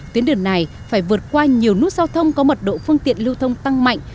tuyến đường này phải vượt qua nhiều nút giao thông có mật độ phương tiện lưu thông tăng mạnh